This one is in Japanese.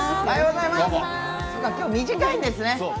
今日、短いんですね。